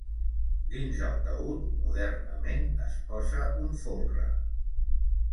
Dins el taüt modernament es posa un folre.